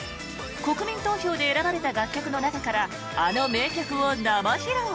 国民投票で選ばれた楽曲の中からあの名曲を生披露！